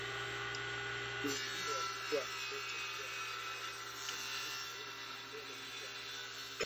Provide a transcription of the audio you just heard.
Mlinzi huyo alikuwa ameketi akiwa ameegemea ukuta bunduki aina ya gobole ikiwa kifuani